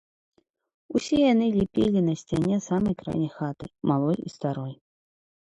Усе яны ліпелі на сцяне самай крайняй хаты, малой і старой.